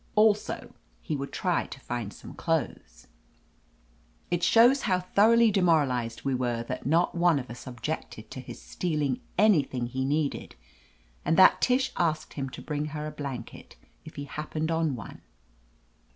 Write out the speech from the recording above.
Also, he would try to find some clothes. It shows how thoroughly demoralized we were that not one 321 THE AMAZING ADVENTURES of us objected to his stealing anything he needed, and that Tish asked him to bring her a blanket if he happened on one